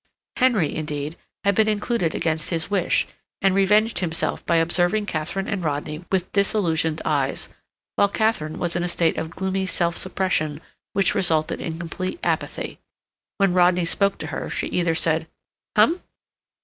Henry, indeed, had been included against his wish, and revenged himself by observing Katharine and Rodney with disillusioned eyes; while Katharine was in a state of gloomy self suppression which resulted in complete apathy. When Rodney spoke to her she either said "Hum!"